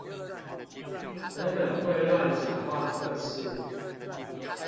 等等會亂講話測試